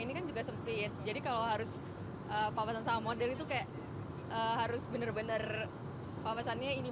ini kan juga sempit jadi kalau harus papasan sama model itu kayak harus bener bener papasannya ini